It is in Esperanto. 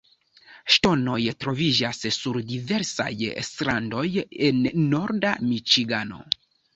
Ŝtonoj troviĝas sur diversaj strandoj en norda Miĉigano.